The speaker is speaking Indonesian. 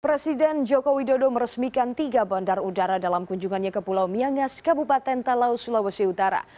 presiden joko widodo meresmikan tiga bandar udara dalam kunjungannya ke pulau miangas kabupaten talau sulawesi utara